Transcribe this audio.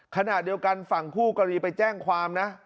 ขณะเดียวกันฝั่งคู่กรณีไปแจ้งความนะ